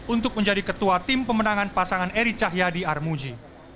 untuk menjadi ketua tim pemenangan pasangan eri cahyadi armuji